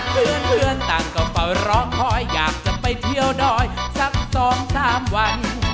เพื่อนต่างก็เฝ้าร้องขออยากจะไปเที่ยวดอยสัก๒๓วัน